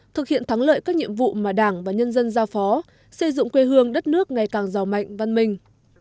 thực hiện thắng lợi các nhiệm vụ mà đảng và nhân dân giao phó xây dựng quê hương đất nước ngày càng giàu mạnh văn minh